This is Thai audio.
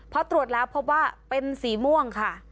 พอตรวจแล้วพบว่าเป็นสีม่วงค่ะ